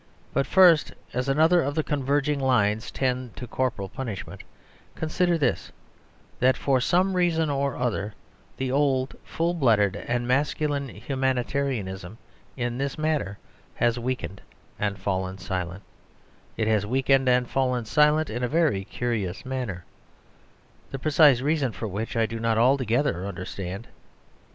But first, as another of the converging lines tending to corporal punishment, consider this: that for some reason or other the old full blooded and masculine humanitarianism in this matter has weakened and fallen silent; it has weakened and fallen silent in a very curious manner, the precise reason for which I do not altogether understand.